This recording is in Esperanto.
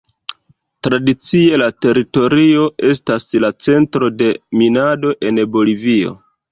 Tradicie la teritorio estas la centro de minado en Bolivio.